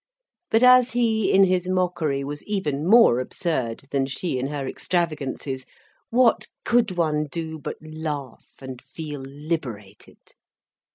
But as he in his mockery was even more absurd than she in her extravagances, what could one do but laugh and feel liberated.